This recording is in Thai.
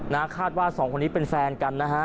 คาดว่าสองคนนี้เป็นแฟนกันนะฮะ